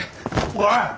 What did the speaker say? おい！